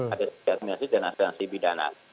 ada saksimasi dana sanksi pidana